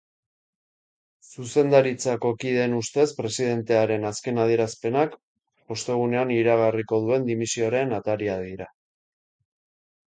Zuzendaritzkao kideen ustez, presidentearen azken adierazpenak ostegunean iragarriko duen dimisioaren ataria dira.